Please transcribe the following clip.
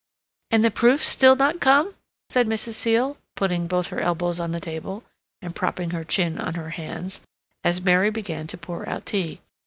"And the proofs still not come?" said Mrs. Seal, putting both her elbows on the table, and propping her chin on her hands, as Mary began to pour out tea.